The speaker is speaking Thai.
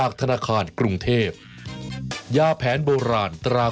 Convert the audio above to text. ไอ้เธอติดติดแล้วเนาะ